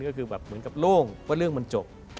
ก็คือเหมือนกับโล่งว่าเรื่องมันจบ